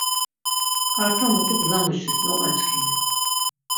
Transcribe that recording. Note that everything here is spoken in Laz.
Ǩarta mutu gzamuşis loqaçkimi.